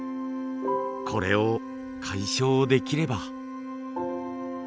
これを解消できれば。